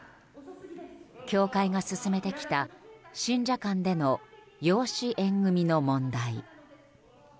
教会が進めてきた信者間での養子縁組の問題。